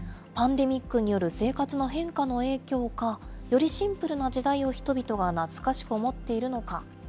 パンデミックによる生活の変化の影響か、よりシンプルな時代を人々が懐かしく思っているのか。